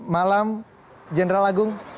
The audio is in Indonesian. malam general agung